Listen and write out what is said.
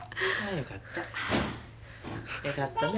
よかったね。